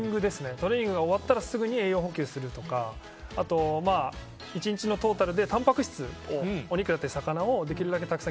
トレーニングが終わったらすぐに栄養補給するとかあと、１日のトータルでたんぱく質お肉や魚をできるだけたくさん。